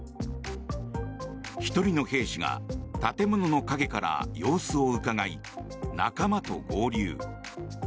１人の兵士が建物の陰から様子をうかがい仲間と合流。